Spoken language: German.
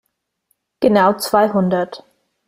Genau zweihundert.